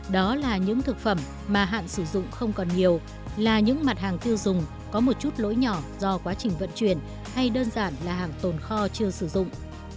đó là những thực phẩm mà hạn sử dụng không còn nhiều là những mặt hàng tiêu dùng có một chút lỗi nhỏ do quá trình vận chuyển hay đơn giản là hàng tồn kho chưa sử dụng